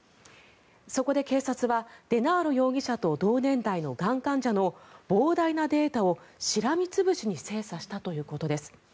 そこで警察はデナーロ容疑者と同年代のがん患者の膨大なデータをしらみ潰しに精査したということです。